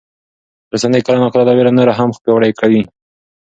رسنۍ کله ناکله دا ویره نوره هم پیاوړې کوي.